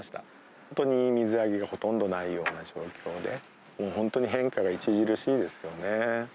本当に水揚げがほとんどないような状況で、もう本当に変化が著しいですよね。